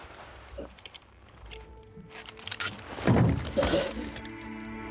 あっ！